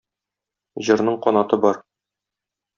Җырның канаты бар.